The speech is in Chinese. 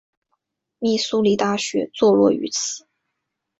密苏里大学坐落于此。